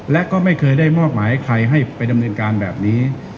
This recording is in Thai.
และก็ไม่เคยได้มอบหมายให้ใครให้ไปดำเนินการแบบนี้